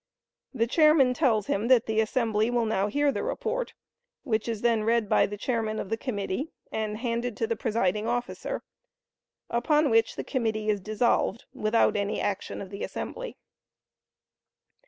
The chairman tells him that the assembly will now hear the report, which is then read by the chairman of the committee, and handed to the presiding officer, upon which the committee is dissolved without any action of the assembly.